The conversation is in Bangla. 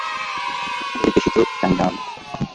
এর বেশি তো চাই না আমি।